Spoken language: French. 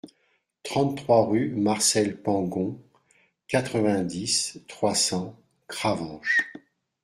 trente-trois rue Marcel Pangon, quatre-vingt-dix, trois cents, Cravanche